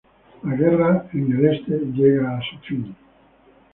La guerra en el este llega a su fin.